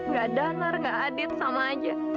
gak dhanar gak adit sama aja